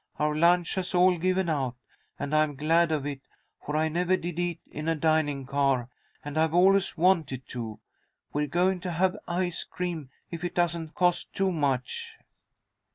Our lunch has all given out, and I'm glad of it, for I never did eat in a dining car, and I've always wanted to. We're going to have ice cream, if it doesn't cost too much."